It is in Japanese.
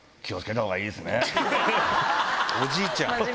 おじいちゃん。